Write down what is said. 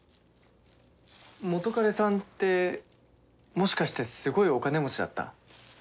元カレさんってもしかしてすごいお金持ちだった？